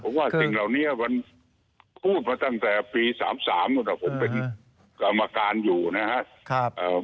ผมว่าสิ่งเหล่านี้มันพูดมาตั้งแต่ปี๓๓ผมเป็นกรรมการอยู่นะครับ